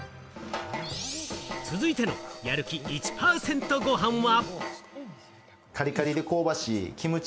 続いての、やる気１％ごはんは。